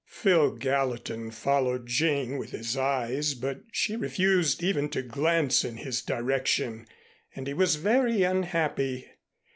Phil Gallatin followed Jane with his eyes, but she refused even to glance in his direction and he was very unhappy.